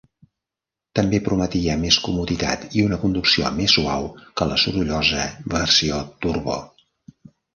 També prometia més comoditat i una conducció més suau que la sorollosa versió turbo.